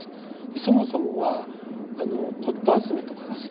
そもそもは骨とう集めとかが好きで。